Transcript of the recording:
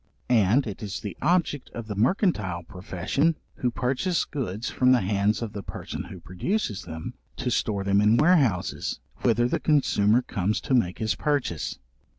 And it is the object of the mercantile profession, who purchase goods from the hands of the person who produces them, to store them in warehouses, whither the consumer comes to make his purchase.